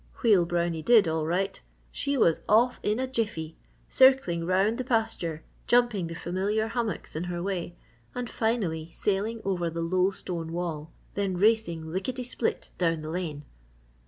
Wheel Brownie did, all right! She was off in a jiffy, circling around the pasture, jumping the familiar hummocks in her way, and finally sailing over the low stone wall, then racing lickety split down the lane.